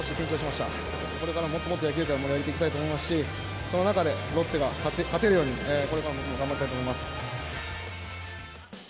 これからもっともっと野球界を盛り上げていきたいですしその中でロッテが勝てるようにこれからも頑張りたいと思います。